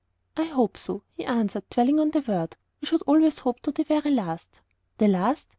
"I HOPE so," he answered, dwelling on the word; "we should always hope to the very last." "The last?"